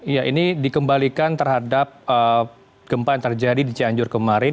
ya ini dikembalikan terhadap gempa yang terjadi di cianjur kemarin